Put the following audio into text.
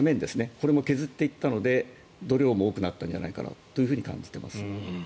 これも削っていったので土量も多くなったんじゃないかなと感じています。